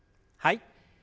はい。